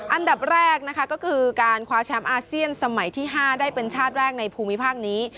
อันดับแรกนะคะก็คือการคว้าแชมป์อาเซียนสมัยที่๕ได้เป็นชาติแรกในภูมิภาคนี้